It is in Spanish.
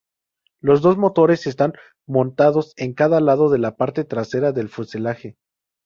Los dos motores están montados en cada lado de la parte trasera del fuselaje.